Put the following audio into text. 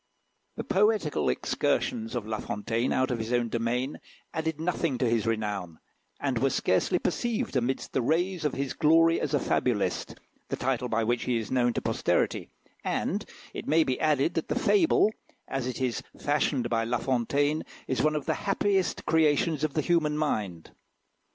The poetical excursions of La Fontaine out of his own domain added nothing to his renown, and were scarcely perceived amidst the rays of his glory as a fabulist the title by which he is known to posterity; and it may be added, that the Fable, as it is fashioned by La Fontaine, is one of the happiest creations of the human mind.